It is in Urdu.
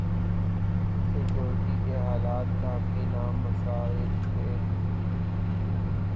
سکیورٹی کے حالات کافی نامساعد تھے